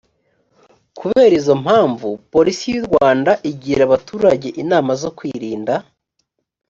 kubera izo mpamvu porisi y u rwanda igira abaturage inama zo kwirinda